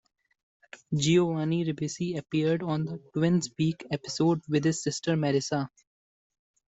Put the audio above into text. Giovanni Ribisi appeared on the "Twins' week" episode with his sister Marissa.